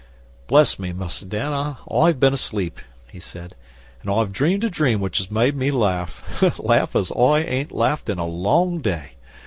'Bless me, Mus' Dan, I've been asleep,' he said. 'An' I've dreamed a dream which has made me laugh laugh as I ain't laughed in a long day.